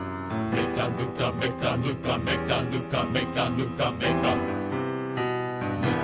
「めかぬかめかぬかめかぬかめかぬかめかぬか」